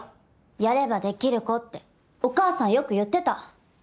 「やれば出来る子」ってお母さんよく言ってた。